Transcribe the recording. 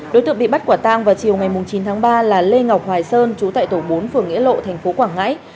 đối tượng bị bắt quả tàng vào chiều ngày chín tháng ba là lê ngọc hoài sơn chú tại tổ bốn phường nghĩa lộ tp quảng ngãi